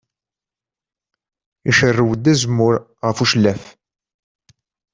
Icerrew-d azemmur ɣer ucellaf.